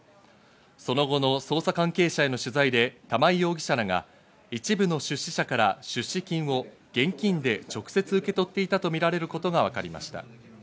その後の捜査関係者への取材で玉井容疑者らが一部の出資者から出資金を現金で直接受け取っていたとみられることがわかりました。